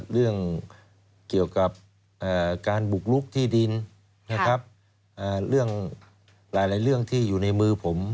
เรื่องเกี่ยวกับการบุกลุกที่ดินนะครับเรื่องหลายเรื่องที่อยู่ในมือผม